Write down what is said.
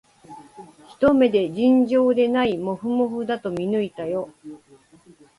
ひと目で、尋常でないもふもふだと見抜いたよ